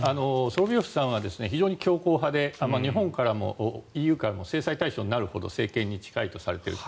ソロヴィヨフさんは非常に強硬派で日本からもＥＵからも制裁対象になるほど政権に近い人です。